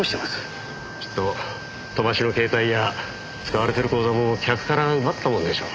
きっと飛ばしの携帯や使われてる口座も客から奪ったものでしょう。